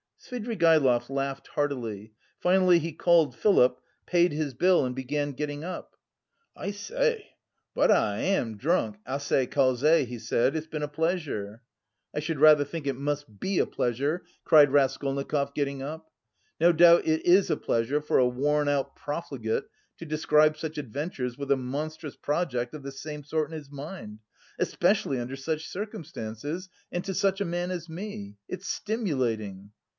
Svidrigaïlov laughed heartily; finally he called Philip, paid his bill, and began getting up. "I say, but I am drunk, assez causé," he said. "It's been a pleasure." "I should rather think it must be a pleasure!" cried Raskolnikov, getting up. "No doubt it is a pleasure for a worn out profligate to describe such adventures with a monstrous project of the same sort in his mind especially under such circumstances and to such a man as me.... It's stimulating!"